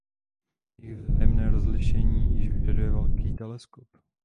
Jejich vzájemné rozlišení již vyžaduje velký teleskop.